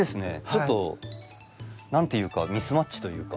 ちょっと何て言うかミスマッチというか。